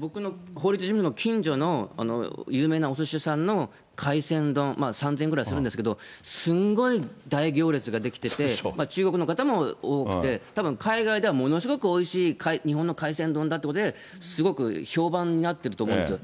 僕の法律事務所の近所の有名なおすし屋さんの海鮮丼、３０００円くらいするんですけど、すっごい大行列が出来てて、中国の方も多くて、たぶん海外ではものすごくおいしい日本の海鮮丼だってことで、すごく評判になっていると思うんですよ。